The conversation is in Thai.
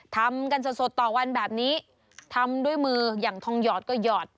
ทำกันสดสดต่อวันแบบนี้ทำด้วยมืออย่างทองหยอดก็หยอด